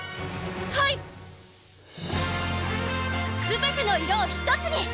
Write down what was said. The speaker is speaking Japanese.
はいすべての色を１つに！